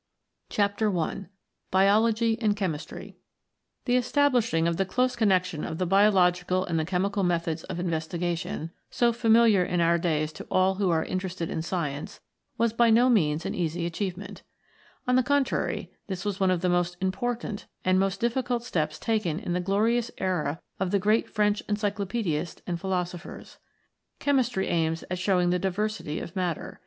CHEMICAL ADAPTATION AND INHERITANCE 136 CHEMICAL PHENOMENA IN LIFE CHAPTER I BIOLOGY AND CHEMISTRY THE establishing of the close connection of the biological and the chemical methods of in vestigation, so familiar in our days to all who are interested in science, was by no means an easy achievement. On the contrary, this was one of the most important and most difficult steps taken in the glorious era of the great French Encyclo paedists and Philosophers. Chemistry aims at showing the diversity of matter.